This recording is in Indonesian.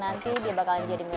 nanti dia bakalan jadi mie bu